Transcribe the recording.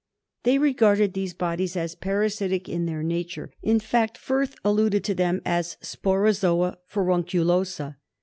They regarded these bodies as parasitic in their nature ; in fact Firth alluded to them as Sporozoa furunculosa.